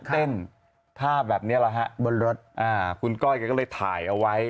เต้นท่าแบบนี้แหละฮะบนรถคุณก้อยแกก็เลยถ่ายเอาไว้